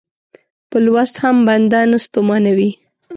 په لوست هم بنده نه ستومانوي.